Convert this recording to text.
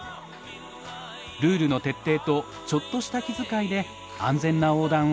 ルールの徹底とちょっとした気遣いで安全な横断を。